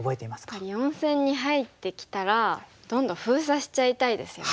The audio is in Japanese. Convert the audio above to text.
やっぱり４線に入ってきたらどんどん封鎖しちゃいたいですよね。